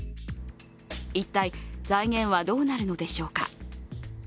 一体財源はどうなるのでしょうか。